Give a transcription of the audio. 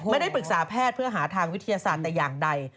ไม่ได้ปรึกษาแพทย์เพื่อหาทางวิทยาศาสตร์แต่อย่างใด